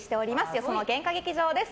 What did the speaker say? よその喧嘩劇場です。